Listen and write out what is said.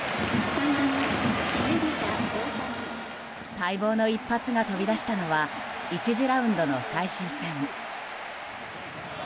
待望の一発が飛び出したのは１次ラウンドの最終戦。